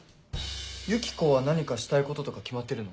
ユキコは何かしたいこととか決まってるの？